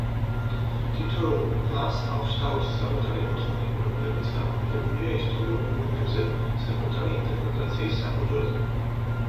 თითოეული კლანს აქვს თავისი საკუთარი მოთხოვნები, რომლებიც დამოკიდებულია ისტორიულ მოვლენებზე საკუთარი ინტერპრეტაციის საფუძველზე.